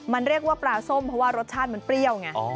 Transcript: มันเรียกว่าปลาส้มเพราะว่ารสชาติมันเปรี้ยวไง